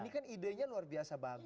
ini kan idenya luar biasa bagus